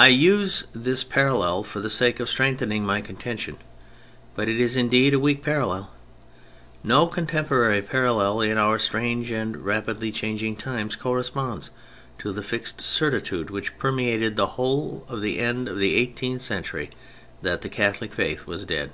I use this parallel for the sake of strengthening my contention, but it is indeed a weak parallel. No contemporary parallel in our strange and rapidly changing times corresponds to the fixed certitude which permeated the whole of the end of the eighteenth century that the Catholic Faith was dead.